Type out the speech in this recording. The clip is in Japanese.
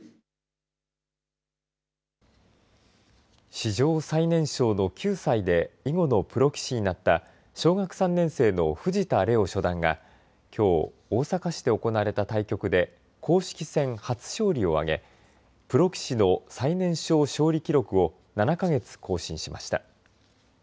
史上最年少の９歳で囲碁のプロ棋士になった小学３年生の藤田怜央初段が今日、大阪市で行われた対局で公式戦、初勝利を挙げプロ棋士の最年少勝利記録を７か月更新しました。